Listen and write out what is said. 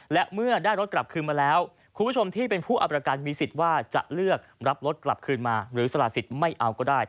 และเมื่อได้รถกลับคืนมาแล้วคุณผู้ชมที่เป็นผู้เอาประกันมีสิทธิ์ว่าจะเลือกรับรถกลับคืนมาหรือสละสิทธิ์ไม่เอาก็ได้